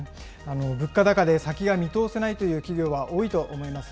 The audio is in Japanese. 物価高で先が見通せないという企業は多いと思います。